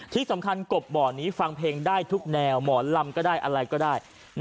ที่สำคัญกบบ่อนี้ฟังเพลงได้ทุกแนวหมอลำก็ได้อะไรก็ได้